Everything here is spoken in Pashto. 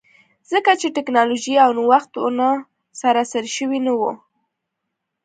ځکه چې ټکنالوژي او نوښت ونه سراسري شوي نه وو.